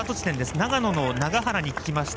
長野の永原に聞きました。